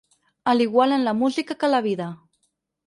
A l’igual en la música que la vida.